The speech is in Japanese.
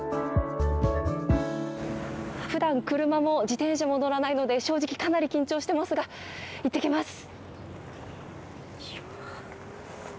ふだん車も自転車も乗らないので正直かなり緊張していますが行ってきます。